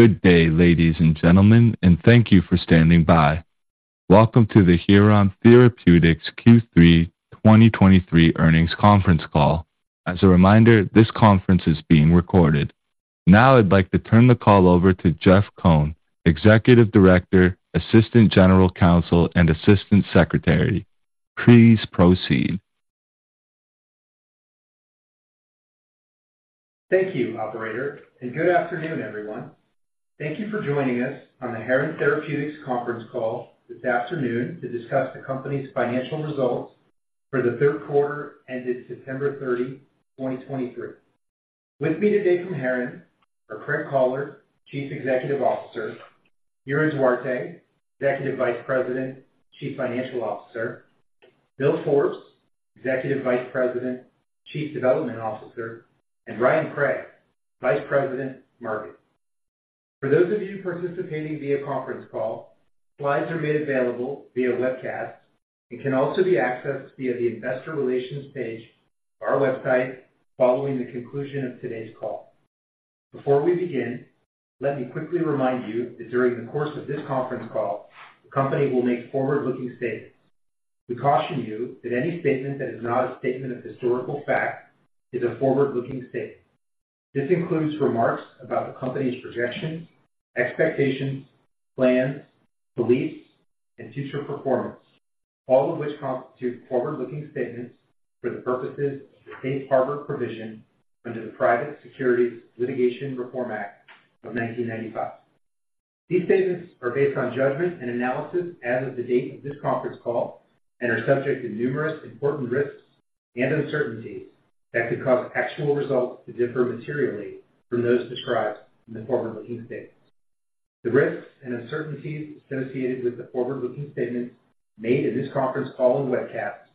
Good day, ladies and gentlemen, and thank you for standing by. Welcome to the Heron Therapeutics Q3 2023 earnings conference call. As a reminder, this conference is being recorded. Now I'd like to turn the call over to Jeff Cohn, Executive Director, Assistant General Counsel, and Assistant Secretary. Please proceed. Thank you, operator, and good afternoon, everyone. Thank you for joining us on the Heron Therapeutics conference call this afternoon to discuss the company's financial results for the third quarter ended September 30, 2023. With me today from Heron are Craig Collard, Chief Executive Officer, Ira Duarte, Executive Vice President, Chief Financial Officer, Bill Forbes, Executive Vice President, Chief Development Officer, and Ryan Craig, Vice President, Marketing. For those of you participating via conference call, slides are made available via webcast and can also be accessed via the investor relations page of our website following the conclusion of today's call. Before we begin, let me quickly remind you that during the course of this conference call, the company will make forward-looking statements. We caution you that any statement that is not a statement of historical fact is a forward-looking statement. This includes remarks about the company's projections, expectations, plans, beliefs, and future performance, all of which constitute forward-looking statements for the purposes of the Safe Harbor provision under the Private Securities Litigation Reform Act of 1995. These statements are based on judgment and analysis as of the date of this conference call and are subject to numerous important risks and uncertainties that could cause actual results to differ materially from those described in the forward-looking statements. The risks and uncertainties associated with the forward-looking statements made in this conference call and webcast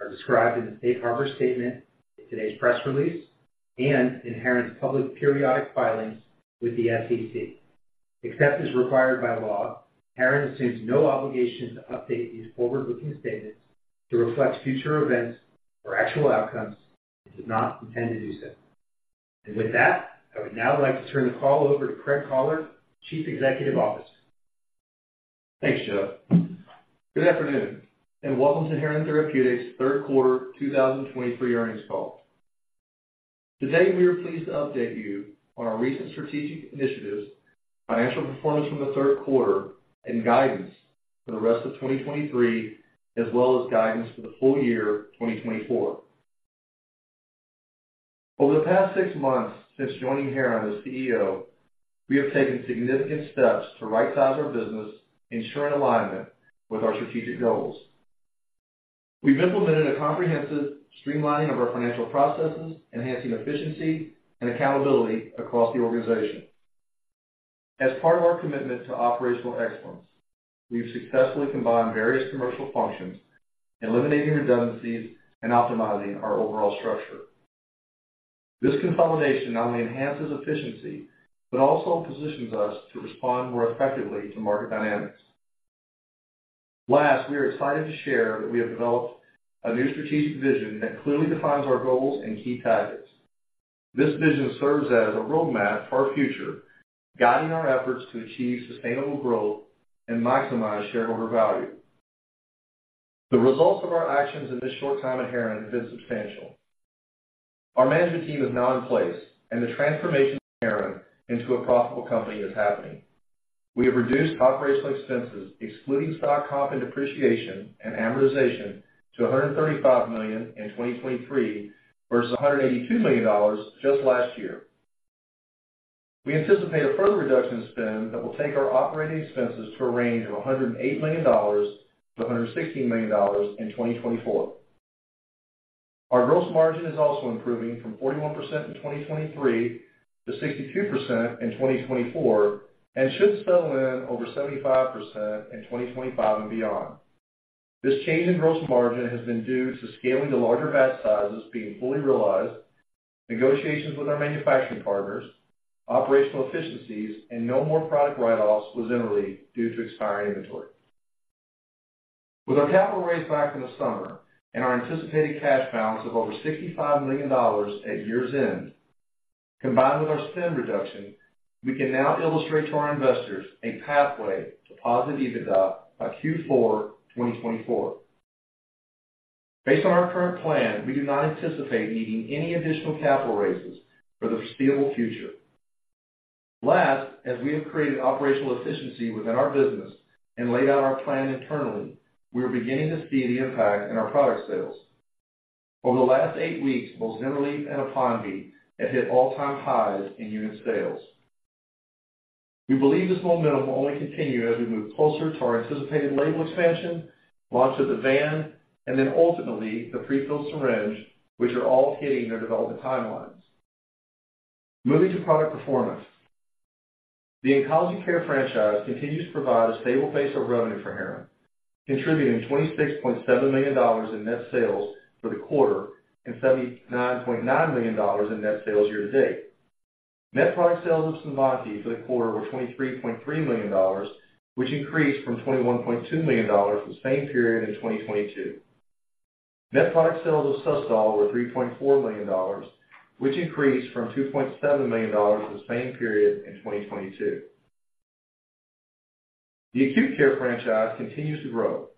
are described in the Safe Harbor statement in today's press release and in Heron's public periodic filings with the SEC. Except as required by law, Heron assumes no obligation to update these forward-looking statements to reflect future events or actual outcomes and does not intend to do so. With that, I would now like to turn the call over to Craig Collard, Chief Executive Officer. Thanks, Jeff. Good afternoon, and welcome to Heron Therapeutics' third quarter 2023 earnings call. Today, we are pleased to update you on our recent strategic initiatives, financial performance from the third quarter, and guidance for the rest of 2023, as well as guidance for the full year 2024. Over the past six months since joining Heron as CEO, we have taken significant steps to right-size our business, ensuring alignment with our strategic goals. We've implemented a comprehensive streamlining of our financial processes, enhancing efficiency and accountability across the organization. As part of our commitment to operational excellence, we've successfully combined various commercial functions, eliminating redundancies and optimizing our overall structure. This consolidation not only enhances efficiency but also positions us to respond more effectively to market dynamics. Last, we are excited to share that we have developed a new strategic vision that clearly defines our goals and key tactics. This vision serves as a roadmap for our future, guiding our efforts to achieve sustainable growth and maximize shareholder value. The results of our actions in this short time at Heron have been substantial. Our management team is now in place, and the transformation of Heron into a profitable company is happening. We have reduced operational expenses, excluding stock comp and depreciation and amortization, to $135 million in 2023 versus $182 million just last year. We anticipate a further reduction in spend that will take our operating expenses to a range of $108 million-$116 million in 2024. Our gross margin is also improving from 41% in 2023 to 62% in 2024 and should settle in over 75% in 2025 and beyond. This change in gross margin has been due to scaling to larger batch sizes being fully realized, negotiations with our manufacturing partners, operational efficiencies, and no more product write-offs with ZYNRELEF due to expiring inventory. With our capital raise back in the summer and our anticipated cash balance of over $65 million at year's end, combined with our spend reduction, we can now illustrate to our investors a pathway to positive EBITDA by Q4 2024. Based on our current plan, we do not anticipate needing any additional capital raises for the foreseeable future. Last, as we have created operational efficiency within our business and laid out our plan internally, we are beginning to see the impact in our product sales. Over the last eight weeks, both ZYNRELEF and APONVIE have hit all-time highs in unit sales. We believe this momentum will only continue as we move closer to our anticipated label expansion, launch of the VAN, and then ultimately the prefilled syringe, which are all hitting their development timelines. Moving to product performance. The oncology care franchise continues to provide a stable base of revenue for Heron, contributing $26.7 million in net sales for the quarter and $79.9 million in net sales year to date. Net product sales of CINVANTI for the quarter were $23.3 million, which increased from $21.2 million the same period in 2022. Net product sales of SUSTOL were $3.4 million, which increased from $2.7 million for the same period in 2022. The acute care franchise continues to grow,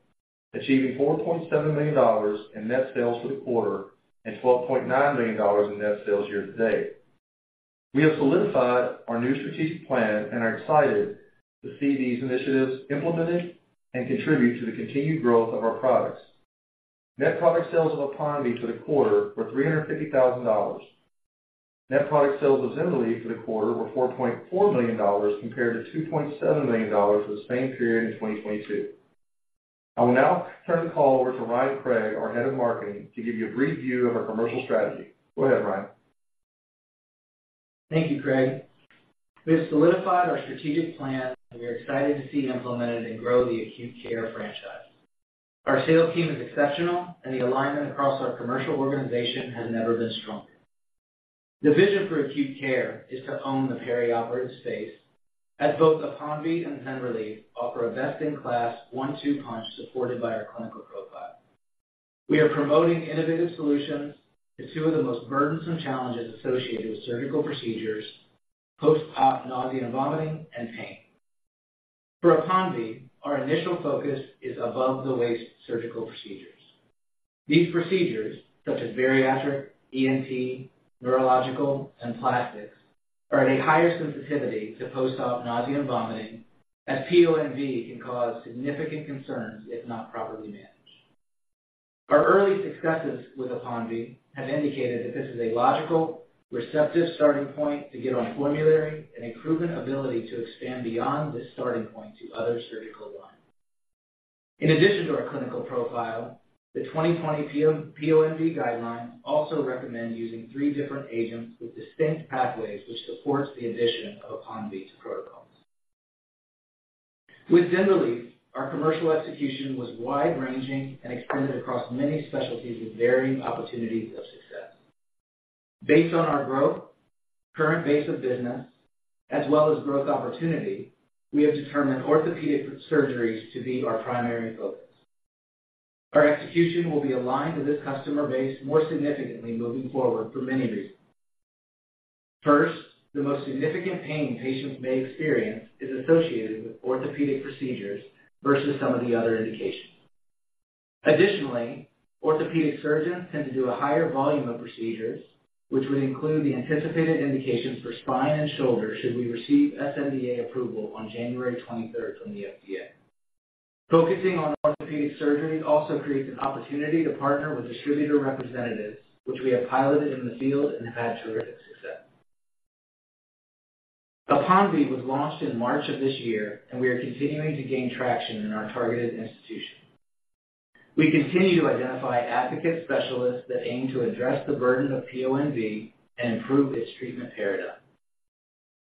achieving $4.7 million in net sales for the quarter and $12.9 million in net sales year to date. We have solidified our new strategic plan and are excited to see these initiatives implemented and contribute to the continued growth of our products. Net product sales of APONVIE for the quarter were $350,000. Net product sales of ZYNRELEF for the quarter were $4.4 million compared to $2.7 million for the same period in 2022. I will now turn the call over to Ryan Craig, our Head of Marketing, to give you a brief view of our commercial strategy. Go ahead, Ryan. Thank you, Craig. We have solidified our strategic plan, and we are excited to see it implemented and grow the acute care franchise. Our sales team is exceptional, and the alignment across our commercial organization has never been stronger. The vision for acute care is to own the perioperative space, as both APONVIE and ZYNRELEF offer a best-in-class one-two punch, supported by our clinical profile. We are promoting innovative solutions to two of the most burdensome challenges associated with surgical procedures: post-op nausea and vomiting, and pain. For APONVIE, our initial focus is above-the-waist surgical procedures. These procedures, such as bariatric, ENT, neurological, and plastics, are at a higher sensitivity to post-op nausea and vomiting, as PONV can cause significant concerns if not properly managed. Our early successes with APONVIE have indicated that this is a logical, receptive starting point to get on formulary and a proven ability to expand beyond this starting point to other surgical lines. In addition to our clinical profile, the 2020 PONV guidelines also recommend using three different agents with distinct pathways, which supports the addition of APONVIE to protocols. With ZYNRELEF, our commercial execution was wide-ranging and expanded across many specialties with varying opportunities of success. Based on our growth, current base of business, as well as growth opportunity, we have determined orthopedic surgeries to be our primary focus. Our execution will be aligned with this customer base more significantly moving forward for many reasons. First, the most significant pain patients may experience is associated with orthopedic procedures versus some of the other indications. Additionally, orthopedic surgeons tend to do a higher volume of procedures, which would include the anticipated indications for spine and shoulder should we receive sNDA approval on January 23rd from the FDA. Focusing on orthopedic surgeries also creates an opportunity to partner with distributor representatives, which we have piloted in the field and have had terrific success. APONVIE was launched in March of this year, and we are continuing to gain traction in our targeted institutions. We continue to identify advocate specialists that aim to address the burden of PONV and improve its treatment paradigm.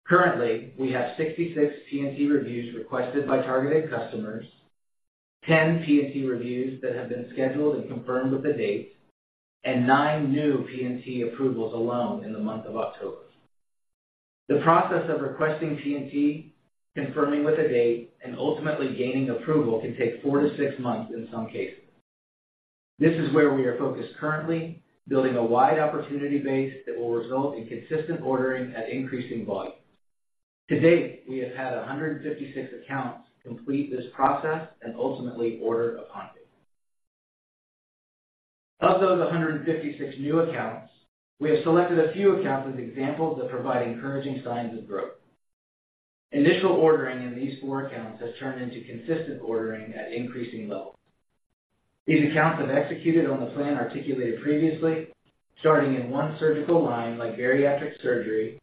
Currently, we have 66 P&T reviews requested by targeted customers, 10 P&T reviews that have been scheduled and confirmed with a date, and nine new P&T approvals alone in the month of October. The process of requesting P&T, confirming with a date, and ultimately gaining approval can take four to six months in some cases. This is where we are focused currently, building a wide opportunity base that will result in consistent ordering at increasing volumes. To date, we have had 156 accounts complete this process and ultimately order APONVIE. Of those 156 new accounts, we have selected a few accounts as examples that provide encouraging signs of growth. Initial ordering in these four accounts has turned into consistent ordering at increasing levels. These accounts have executed on the plan articulated previously, starting in one surgical line, like bariatric surgery,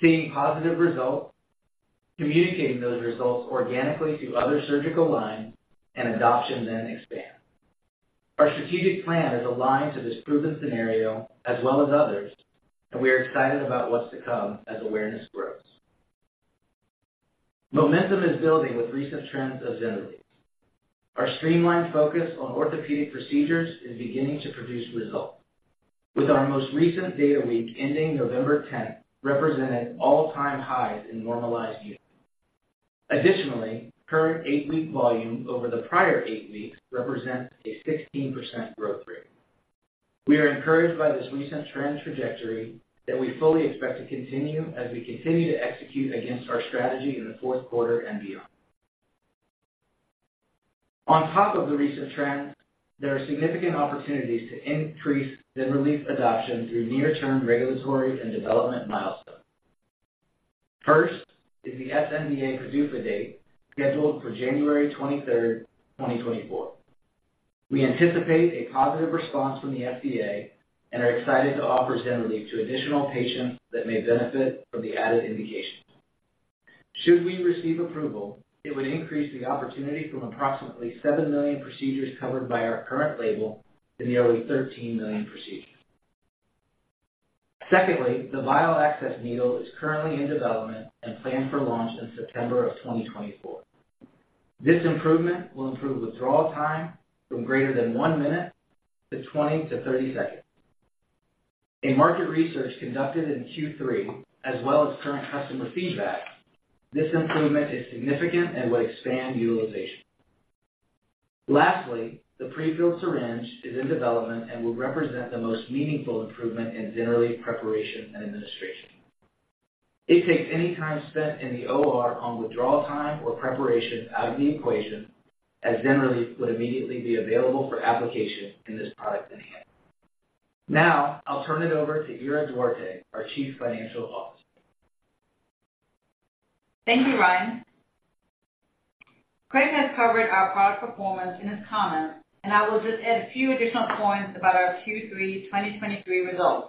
seeing positive results, communicating those results organically to other surgical lines, and adoption then expands. Our strategic plan is aligned to this proven scenario as well as others, and we are excited about what's to come as awareness grows. Momentum is building with recent trends of ZYNRELEF. Our streamlined focus on orthopedic procedures is beginning to produce results, with our most recent data week, ending November 10, representing all-time highs in normalized units. Additionally, current eight-week volume over the prior eight weeks represents a 16% growth rate. We are encouraged by this recent trend trajectory that we fully expect to continue as we continue to execute against our strategy in the fourth quarter and beyond. On top of the recent trends, there are significant opportunities to increase ZYNRELEF adoption through near-term regulatory and development milestones. First is the sNDA PDUFA date, scheduled for January 23rd, 2024. We anticipate a positive response from the FDA and are excited to offer ZYNRELEF to additional patients that may benefit from the added indications. Should we receive approval, it would increase the opportunity from approximately 7 million procedures covered by our current label to nearly 13 million procedures. Secondly, the vial access needle is currently in development and planned for launch in September 2024. This improvement will improve withdrawal time from greater than one minute to 20 to 30 seconds. In market research conducted in Q3, as well as current customer feedback, this improvement is significant and will expand utilization. Lastly, the prefilled syringe is in development and will represent the most meaningful improvement in ZYNRELEF preparation and administration. It takes any time spent in the OR on withdrawal time or preparation out of the equation, as ZYNRELEF would immediately be available for application in this product in hand. Now I'll turn it over to Ira Duarte, our Chief Financial Officer. Thank you, Ryan. Craig has covered our product performance in his comments, and I will just add a few additional points about our Q3 2023 results.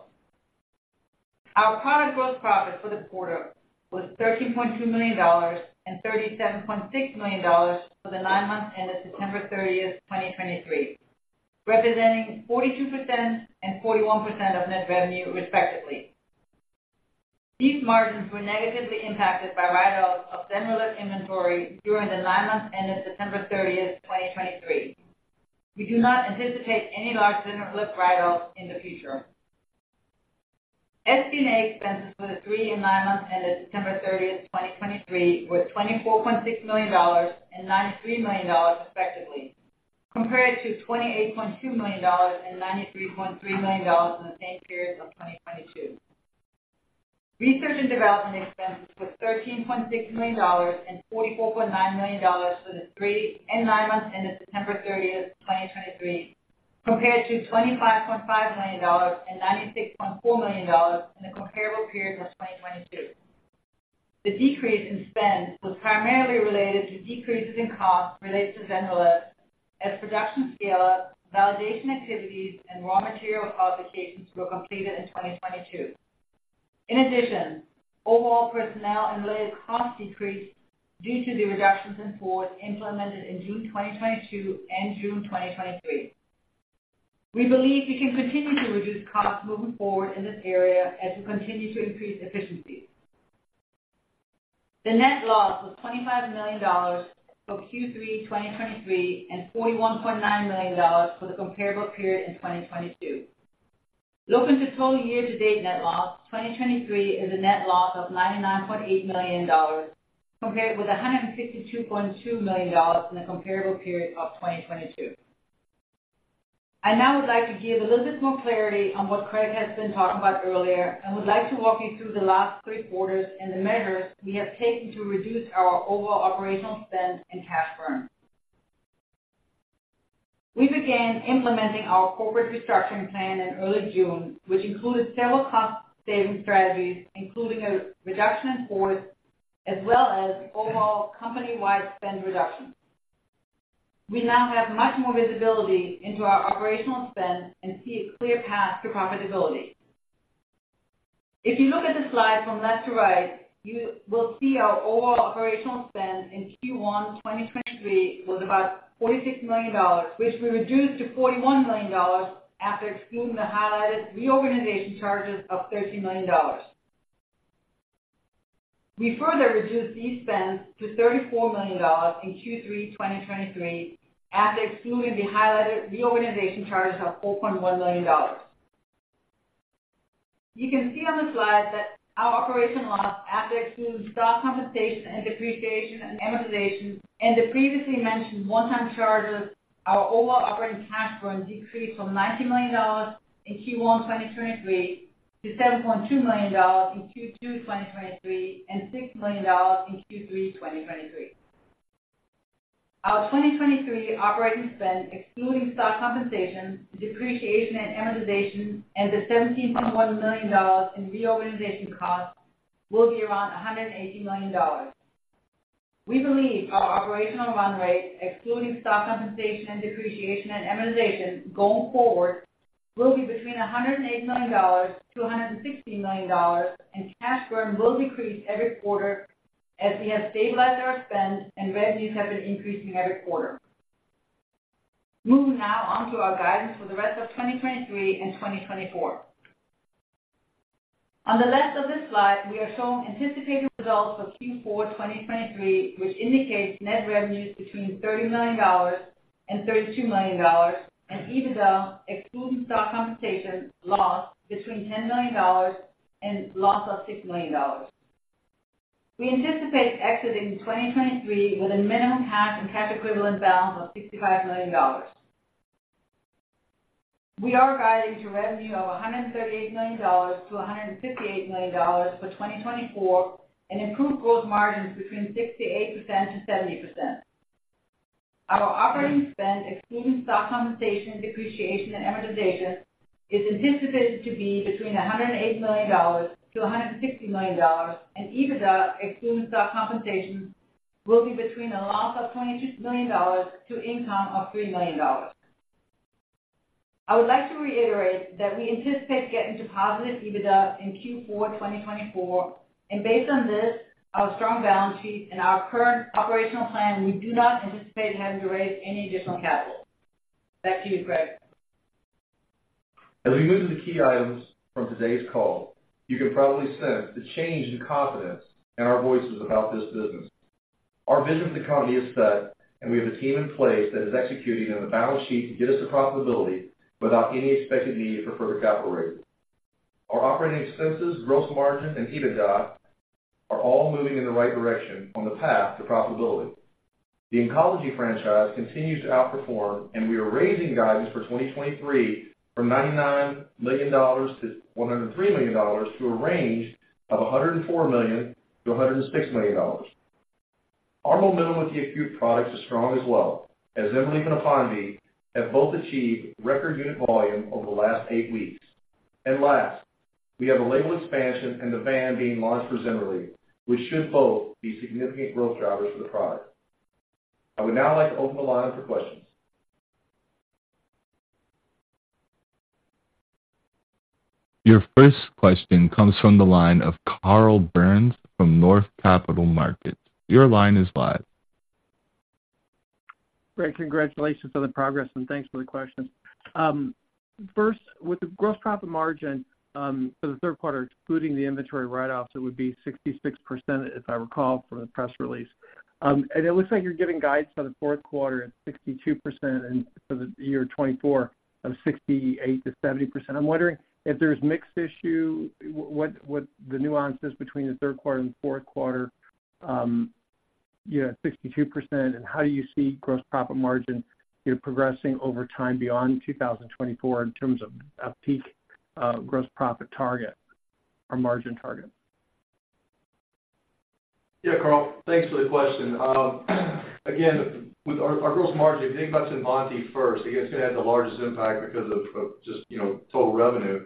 Our product gross profit for the quarter was $13.2 million and $37.6 million for the nine months ended September 30th, 2023, representing 42% and 41% of net revenue, respectively. These margins were negatively impacted by write-offs of ZYNRELEF inventory during the nine months ended September 30th, 2023. We do not anticipate any large ZYNRELEF write-offs in the future. SG&A expenses for the three and nine months ended September 30, 2023, were $24.6 million and $93 million, respectively, compared to $28.2 million and $93.3 million in the same period of 2022. Research and development expenses was $13.6 million and $44.9 million for the three and nine months ended September 30, 2023, compared to $25.5 million and $96.4 million in the comparable period of 2022. The decrease in spend was primarily related to decreases in costs related to ZYNRELEF as production scale-up, validation activities, and raw material qualifications were completed in 2022. In addition, overall personnel and related costs decreased due to the reductions in force implemented in June 2022 and June 2023. We believe we can continue to reduce costs moving forward in this area as we continue to increase efficiency. The net loss was $25 million for Q3 2023, and $41.9 million for the comparable period in 2022. Looking to total year-to-date net loss, 2023 is a net loss of $99.8 million, compared with $162.2 million in the comparable period of 2022. I now would like to give a little bit more clarity on what Craig has been talking about earlier and would like to walk you through the last three quarters and the measures we have taken to reduce our overall operational spend and cash burn. We began implementing our corporate restructuring plan in early June, which included several cost-saving strategies, including a reduction in force as well as overall company-wide spend reduction. We now have much more visibility into our operational spend and see a clear path to profitability. If you look at the slide from left to right, you will see our overall operational spend in Q1 2023 was about $46 million, which we reduced to $41 million after excluding the highlighted reorganization charges of $13 million. We further reduced these spends to $34 million in Q3 2023 after excluding the highlighted reorganization charges of $4.1 million. You can see on the slide that our operational loss, after excluding stock compensation and depreciation and amortization and the previously mentioned one-time charges, our overall operating cash burn decreased from $90 million in Q1 2023 to $7.2 million in Q2 2023, and $6 million in Q3 2023. Our 2023 operating spend, excluding stock compensation, depreciation and amortization, and the $17.1 million in reorganization costs, will be around $180 million. We believe our operational run rate, excluding stock compensation and depreciation and amortization going forward, will be between $108 million-$160 million, and cash burn will decrease every quarter as we have stabilized our spend and revenues have been increasing every quarter. Moving now on to our guidance for the rest of 2023 and 2024. On the left of this slide, we are showing anticipated results for Q4 2023, which indicates net revenues between $30 million-$32 million, and EBITDA excluding stock compensation loss between $10 million and loss of $6 million. We anticipate exiting 2023 with a minimum cash and cash equivalent balance of $65 million. We are guiding to revenue of $138 million-$158 million for 2024 and improved gross margins between 68%-70%. Our operating spend, excluding stock compensation, depreciation, and amortization, is anticipated to be between $108 million-$160 million, and EBITDA, excluding stock compensation, will be between a loss of $22 million to income of $3 million. I would like to reiterate that we anticipate getting to positive EBITDA in Q4 2024, and based on this, our strong balance sheet and our current operational plan, we do not anticipate having to raise any additional capital. Back to you, Craig. As we move to the key items from today's call, you can probably sense the change in confidence in our voices about this business. ...Our vision for the company is set, and we have a team in place that is executing on the balance sheet to get us to profitability without any expected need for further capital raise. Our operating expenses, gross margin, and EBITDA are all moving in the right direction on the path to profitability. The oncology franchise continues to outperform, and we are raising guidance for 2023 from $99 million to $103 million to a range of $104 million-$106 million. Our momentum with the acute products is strong as well, as ZYNRELEF and APONVIE have both achieved record unit volume over the last eight weeks. And last, we have a label expansion and the VAN being launched for ZYNRELEF, which should both be significant growth drivers for the product. I would now like to open the line for questions. Your first question comes from the line of Carl Byrnes from Northland Capital Markets. Your line is live. Great. Congratulations on the progress, and thanks for the question. First, with the gross profit margin, for the third quarter, excluding the inventory write-offs, it would be 66%, if I recall, from the press release. It looks like you're giving guidance for the fourth quarter at 62% and for the year 2024 of 68%-70%. I'm wondering if there's mixed issue, what the nuances between the third quarter and the fourth quarter, you know, 62%, and how do you see gross profit margin, you know, progressing over time beyond 2024 in terms of a peak, gross profit target or margin target? Yeah, Carl, thanks for the question. Again, with our gross margin, if you think about APONVIE first, again, it's gonna have the largest impact because of just, you know, total revenue.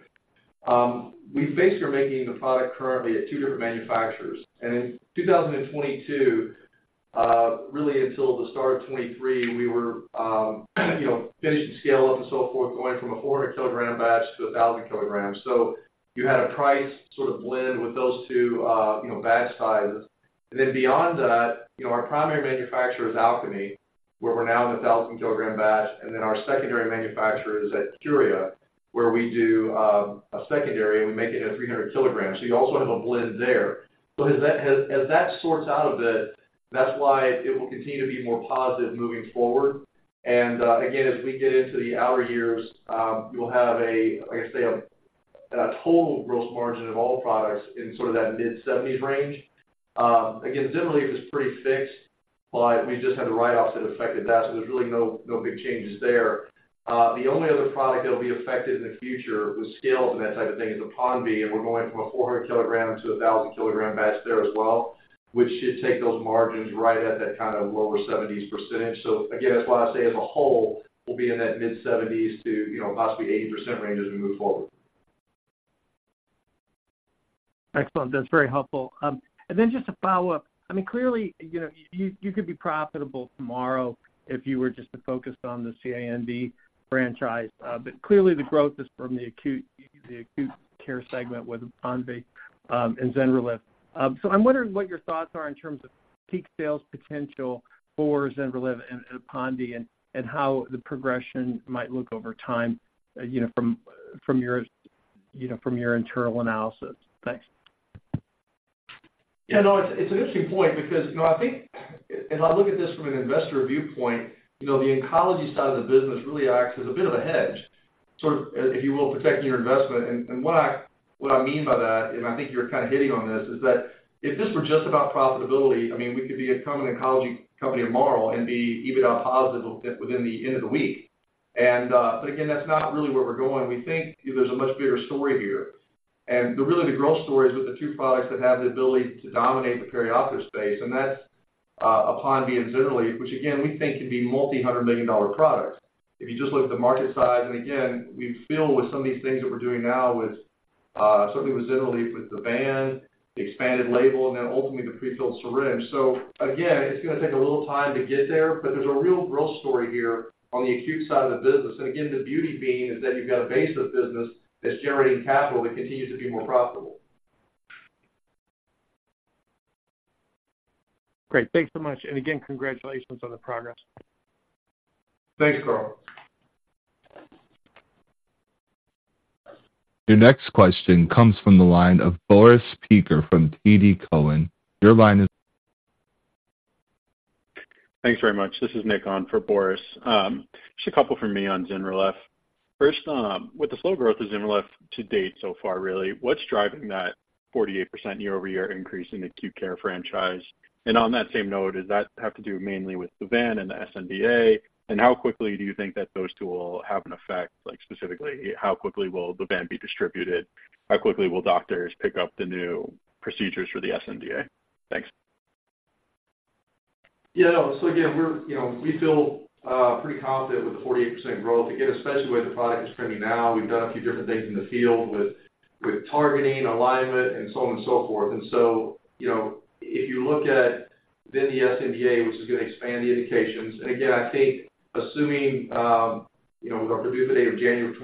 We basically are making the product currently at two different manufacturers. And in 2022, really until the start of 2023, we were, you know, finishing scale-up and so forth, going from a 400 kg batch to 1,000 kg. So you had a price sort of blend with those two, you know, batch sizes. And then beyond that, you know, our primary manufacturer is Alcami, where we're now in a 1,000 kg batch, and then our secondary manufacturer is at Curia, where we do a secondary, and we make it at 300 kg. So you also have a blend there. So as that sorts out a bit, that's why it will continue to be more positive moving forward. And, again, as we get into the outer years, you'll have, like I say, a total gross margin of all products in sort of that mid-70%s range. Again, ZYNRELEF is pretty fixed, but we just had the write-offs that affected that, so there's really no big changes there. The only other product that'll be affected in the future with scales and that type of thing is APONVIE, and we're going from a 400 kg to a 1,000 kg batch there as well, which should take those margins right at that kind of lower 70%s. So again, that's why I say as a whole, we'll be in that mid-70%s to, you know, possibly 80% range as we move forward. Excellent. That's very helpful. Then just to follow up, I mean, clearly, you know, you, you could be profitable tomorrow if you were just to focus on the CINVANTI franchise. But clearly, the growth is from the acute, the acute care segment with APONVIE, and ZYNRELEF. So I'm wondering what your thoughts are in terms of peak sales potential for ZYNRELEF and APONVIE, and, and how the progression might look over time, you know, from, from your, you know, from your internal analysis. Thanks. Yeah, no, it's, it's an interesting point because, you know, I think if I look at this from an investor viewpoint, you know, the oncology side of the business really acts as a bit of a hedge, sort of, if you will, protecting your investment. And, and what I, what I mean by that, and I think you're kind of hitting on this, is that if this were just about profitability, I mean, we could be a common oncology company tomorrow and be EBITDA positive within the end of the week. And, but again, that's not really where we're going. We think there's a much bigger story here. And the really, the growth story is with the two products that have the ability to dominate the perioperative space, and that's APONVIE and ZYNRELEF, which again, we think can be multi-hundred million products. If you just look at the market size, and again, we feel with some of these things that we're doing now with, certainly with ZYNRELEF, with the VAN, the expanded label, and then ultimately the prefilled syringe. So again, it's gonna take a little time to get there, but there's a real growth story here on the acute side of the business. And again, the beauty being is that you've got a base of business that's generating capital that continues to be more profitable. Great. Thanks so much. And again, congratulations on the progress. Thanks, Carl. Your next question comes from the line of Boris Peaker from TD Cowen. Your line is- Thanks very much. This is Nick on for Boris. Just a couple from me on ZYNRELEF. First, with the slow growth of ZYNRELEF to date so far, really, what's driving that 48% year-over-year increase in the acute care franchise? And on that same note, does that have to do mainly with the VAN and the sNDA? And how quickly do you think that those two will have an effect? Like, specifically, how quickly will the VAN be distributed? How quickly will doctors pick up the new procedures for the sNDA? Thanks. Yeah. So again, we're, you know, we feel pretty confident with the 48% growth, again, especially the way the product is trending now. We've done a few different things in the field with, with targeting, alignment, and so on and so forth. And so, you know, if you look at then the sNDA, which is gonna expand the indications, and again, I think assuming, you know, with our review date of January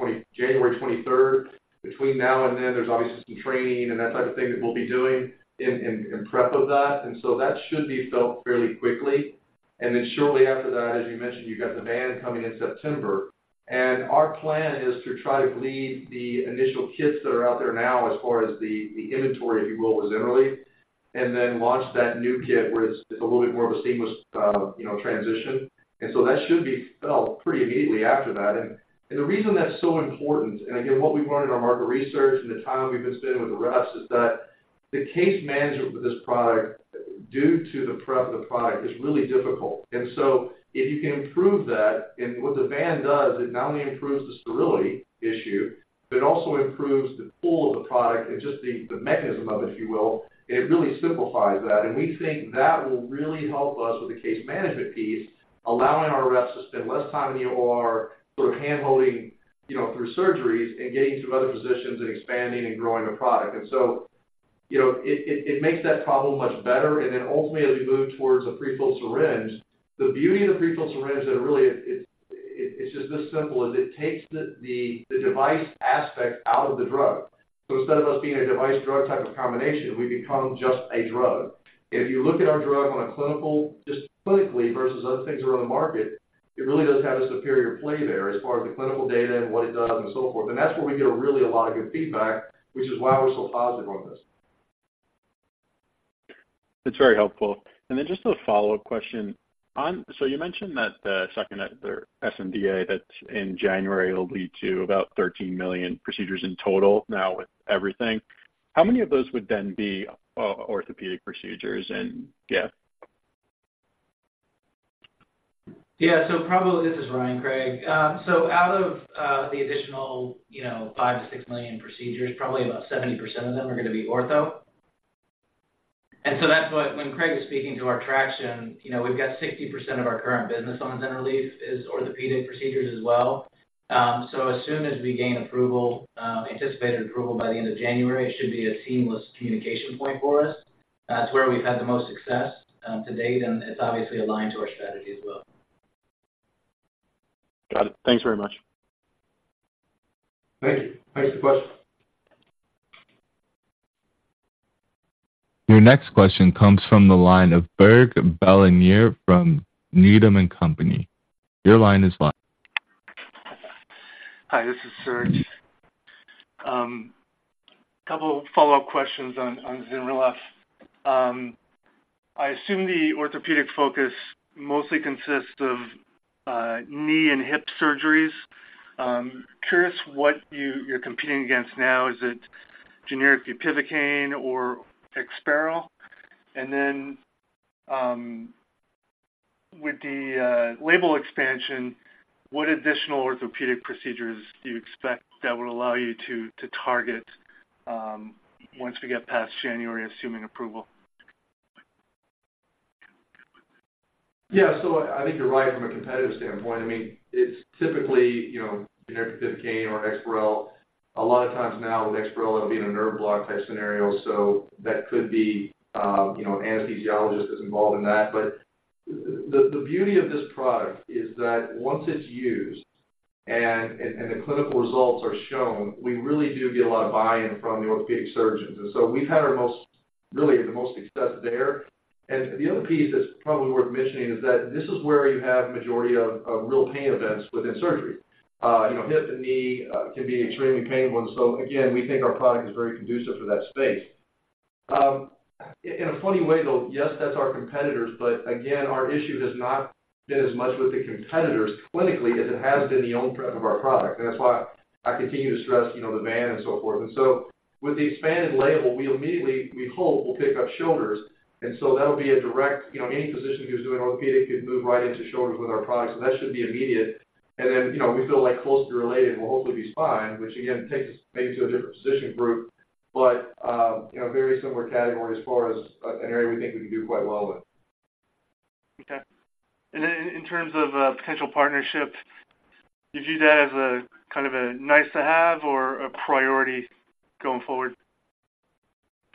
23rd, between now and then, there's obviously some training and that type of thing that we'll be doing in, in, in prep of that, and so that should be felt fairly quickly. And then shortly after that, as you mentioned, you got the VAN coming in September. Our plan is to try to bleed the initial kits that are out there now as far as the inventory, if you will, with ZYNRELEF, and then launch that new kit, where it's a little bit more of a seamless, you know, transition. And so that should be felt pretty immediately after that. And the reason that's so important, and again, what we've learned in our market research and the time we've been spending with the reps, is that the case management for this product, due to the prep of the product, is really difficult. And so if you can improve that, and what the VAN does, it not only improves the sterility issue, but it also improves the pull of the product and just the mechanism of it, if you will. It really simplifies that, and we think that will really help us with the case management piece, allowing our reps to spend less time in the OR, sort of handholding, you know, through surgeries and getting to other physicians and expanding and growing the product. And so, you know, it makes that problem much better. And then ultimately, as we move towards a prefilled syringe, the beauty of the prefilled syringe, and really, it's just this simple, is it takes the device aspect out of the drug. So instead of us being a device drug type of combination, we become just a drug. If you look at our drug on a clinical, just clinically versus other things that are on the market, it really does have a superior play there as far as the clinical data and what it does and so forth. That's where we get really a lot of good feedback, which is why we're so positive on this. That's very helpful. And then just a follow-up question. On. So you mentioned that the second sNDA, that in January will lead to about 13 million procedures in total now with everything. How many of those would then be orthopedic procedures and, yeah? Yeah. So probably, this is Ryan Craig. So out of the additional, you know, five to six million procedures, probably about 70% of them are gonna be ortho. And so that's what, when Craig was speaking to our traction, you know, we've got 60% of our current business on ZYNRELEF is orthopedic procedures as well. So as soon as we gain approval, anticipated approval by the end of January, it should be a seamless communication point for us. That's where we've had the most success to date, and it's obviously aligned to our strategy as well. Got it. Thanks very much. Thank you. Thanks for the question. Your next question comes from the line of Serge Belanger from Needham & Company. Your line is live. Hi, this is Serge. A couple of follow-up questions on ZYNRELEF. I assume the orthopedic focus mostly consists of knee and hip surgeries. Curious what you're competing against now. Is it generic bupivacaine or EXPAREL? And then, with the label expansion, what additional orthopedic procedures do you expect that would allow you to target once we get past January, assuming approval? Yeah, so I think you're right from a competitive standpoint. I mean, it's typically, you know, generic bupivacaine or EXPAREL. A lot of times now with EXPAREL, it'll be in a nerve block type scenario, so that could be, you know, an anesthesiologist is involved in that. But the beauty of this product is that once it's used and the clinical results are shown, we really do get a lot of buy-in from the orthopedic surgeons. And so we've had our most, really, the most success there. And the other piece that's probably worth mentioning is that this is where you have majority of real pain events within surgery. You know, hip and knee can be extremely painful, and so again, we think our product is very conducive to that space. In a funny way, though, yes, that's our competitors, but again, our issue has not been as much with the competitors clinically as it has been the own prep of our product. And that's why I continue to stress, you know, the VAN and so forth. And so with the expanded label, we immediately, we hope, will pick up shoulders, and so that'll be a direct... You know, any physician who's doing orthopedic could move right into shoulders with our products, so that should be immediate. And then, you know, we feel like closely related will hopefully be spine, which again, takes us maybe to a different physician group, but, you know, very similar category as far as, an area we think we can do quite well with. Okay. And in terms of potential partnerships, do you view that as kind of a nice to have or a priority going forward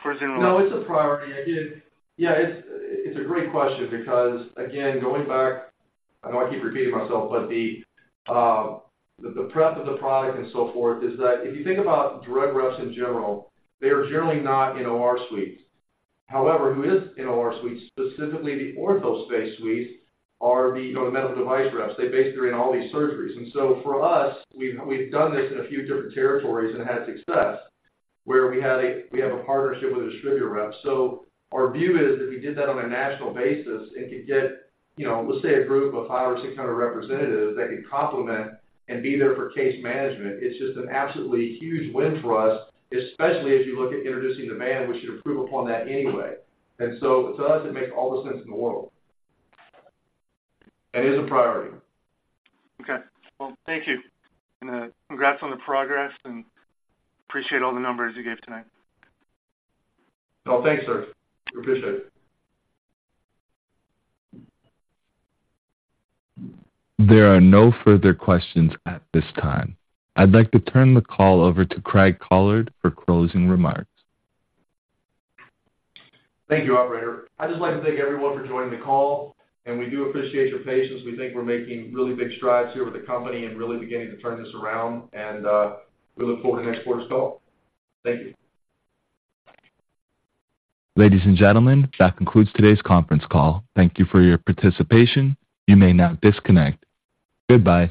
for ZYNRELEF? No, it's a priority. Again, yeah, it's, it's a great question because, again, going back, I know I keep repeating myself, but the prep of the product and so forth is that if you think about drug reps in general, they are generally not in OR suites. However, who is in OR suites, specifically the ortho space suites, are the, you know, medical device reps. They basically are in all these surgeries. And so for us, we've, we've done this in a few different territories and had success where we had a-- we have a partnership with a distributor rep. Our view is, if we did that on a national basis and could get, you know, let's say, a group of 500 or 600 representatives that could complement and be there for case management, it's just an absolutely huge win for us, especially as you look at introducing the VAN, we should improve upon that anyway. So to us, it makes all the sense in the world. It is a priority. Okay. Well, thank you. Congrats on the progress, and appreciate all the numbers you gave tonight. Well, thanks, Serge. We appreciate it. There are no further questions at this time. I'd like to turn the call over to Craig Collard for closing remarks. Thank you, operator. I'd just like to thank everyone for joining the call, and we do appreciate your patience. We think we're making really big strides here with the company and really beginning to turn this around, and we look forward to next quarter's call. Thank you. Ladies and gentlemen, that concludes today's conference call. Thank you for your participation. You may now disconnect. Goodbye.